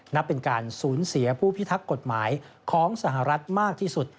นับเป็นการสูญเสียผู้พิทักษ์กฎหมายของสหรัฐมากที่สุด